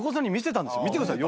「見てください。